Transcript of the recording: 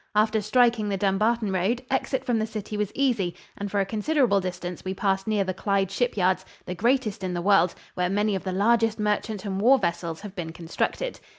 After striking the Dumbarton road, exit from the city was easy, and for a considerable distance we passed near the Clyde shipyards, the greatest in the world, where many of the largest merchant and war vessels have been constructed.